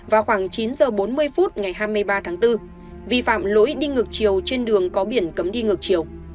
vào khoảng chín h bốn mươi phút ngày hai mươi ba tháng bốn vi phạm lỗi đi ngược chiều trên đường có biển cấm đi ngược chiều